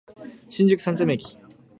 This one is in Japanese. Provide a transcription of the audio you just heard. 新宿三丁目駅